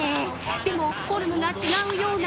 でもフォルムが違うような。